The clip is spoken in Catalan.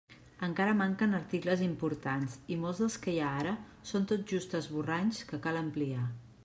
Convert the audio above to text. Encara manquen articles importants, i molts dels que hi ha ara són tot just esborranys que cal ampliar.